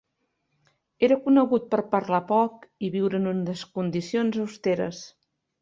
Era conegut per parlar poc i viure en unes condicions austeres.